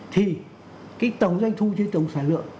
thì tổng doanh thu chứ tổng sản lượng